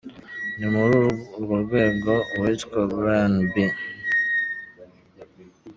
Ni muri urwo rwego uwitwa Brian B.